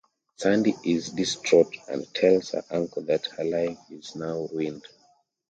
Sandy is distraught and tells her uncle that her life is now ruined.